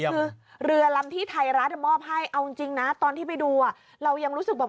คือเรือลำที่ไทยรัฐมอบให้เอาจริงนะตอนที่ไปดูอ่ะเรายังรู้สึกแบบ